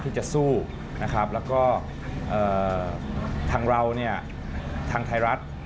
ที่จะสู้นะครับแล้วก็ทางเราเนี่ยทางไทยรัฐ